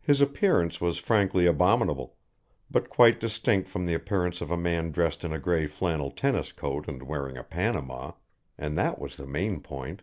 His appearance was frankly abominable, but quite distinct from the appearance of a man dressed in a grey flannel tennis coat and wearing a Panama and that was the main point.